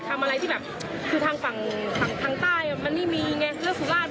๒เต้านั้นไม่หอมแน่นอนเลยแต่เต้านี้มันหอม